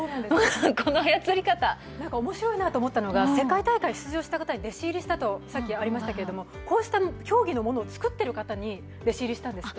この操り方おもしろいなと思ったのが世界大会に出場した方に弟子入りしたとさっきありましたけど、こうした競技のものを作っている方に弟子入りしたんですって。